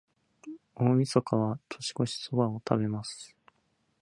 大晦日は、年越しそばを食べます。